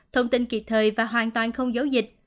thông tin kịp thời và hoàn toàn không giấu dịch